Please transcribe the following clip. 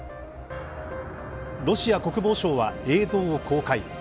ロシア国防省は、映像を公開。